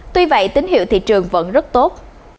tuy vậy tín hiệu thị trường vẫn rất tốt